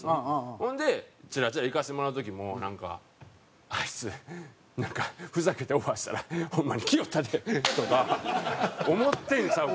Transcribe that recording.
ほんでチラチラ行かせてもらう時もなんか「あいつなんかふざけてオファーしたらホンマに来よったで」とか思ってんちゃうか？とか。